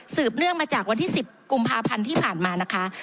เนื่องมาจากวันที่๑๐กุมภาพันธ์ที่ผ่านมานะคะ